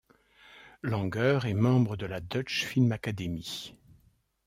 Langer est membre de la Deutsche Filmakademie.